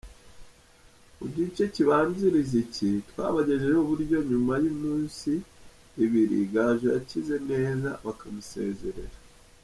Mu gice kibanziriza iki, twabagejejeho uburyo nyuma y’iminsi ibiri Gaju yakize neza bakamusezerera.